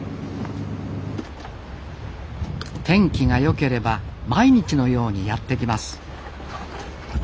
天気が良ければ毎日のようにやって来ます。